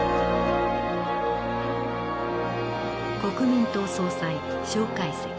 国民党総裁介石。